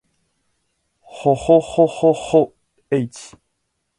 ほほほほほっ h